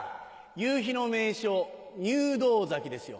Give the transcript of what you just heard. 夕日の名所入道崎ですよ。